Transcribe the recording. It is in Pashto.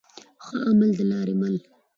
ښه عمل د لاري مل.